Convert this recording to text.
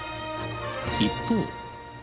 一方。